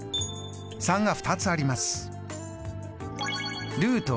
３が２つあります。